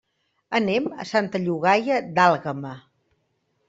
Anem a Santa Llogaia d'Àlguema.